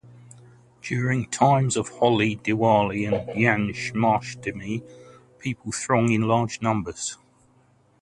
During the times of Holi, Diwali and Janmashtmi, people throng in large numbers.